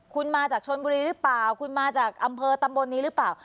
คุณมาจากชนบุรีหรือเปล่าคุณมาจากอำเภอตำบลนี้หรือเปล่า